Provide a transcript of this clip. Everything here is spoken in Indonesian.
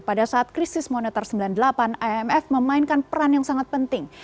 pada saat krisis moneter sembilan puluh delapan imf memainkan peran yang sangat penting